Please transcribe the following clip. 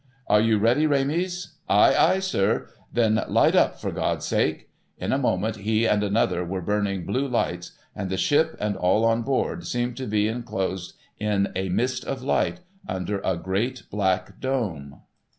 ' Are you ready, Rames ?'—' Ay, ay, sir !'—' Then light up, for God's sake !' In a moment he and another were burning blue lights, and the ship and all on board seemed to be enclosed in a mist of light, under a great black dome.